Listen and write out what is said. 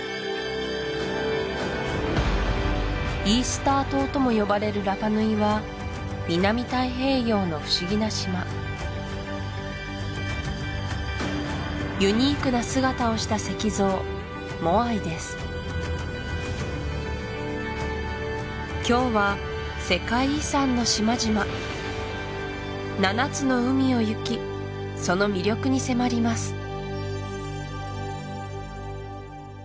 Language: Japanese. イースター島とも呼ばれるラパ・ヌイは南太平洋の不思議な島ユニークな姿をした石像モアイです今日は世界遺産の島々７つの海を行きその魅力に迫ります